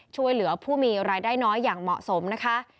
ช่วยเหลือผู้มีรายได้น้อยอย่างเหมาะสมนะคะ